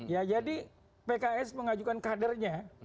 ya jadi pks mengajukan kadernya